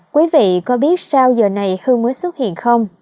quý vị có biết sao giờ này hương mới xuất hiện không